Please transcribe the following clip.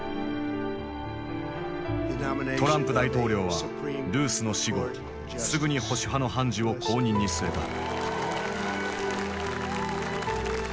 トランプ大統領はルースの死後すぐに保守派の判事を後任に据えた。